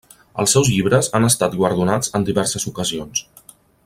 Els seus llibres han estat guardonats en diverses ocasions.